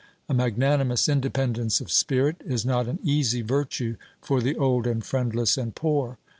A magnanimous independence of spirit is not an easy virtue for the old and friendless and poor.